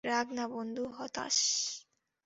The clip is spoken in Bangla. রাগ না বন্ধু, হতাশ।